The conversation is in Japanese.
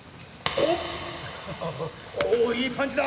おおいいパンチだ！